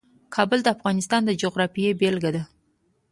کابل د افغانستان د جغرافیې بېلګه ده.